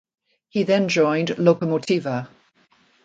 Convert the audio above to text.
He then joined Lokomotiva.